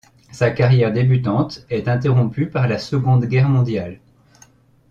Sa carrière débutante est interrompue par la Seconde Guerre mondiale.